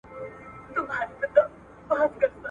دا علم د حقایقو په لټه کي دی.